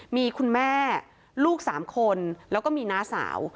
มีคุณแม่ลูก๓คนแล้วก็มีน้าสาว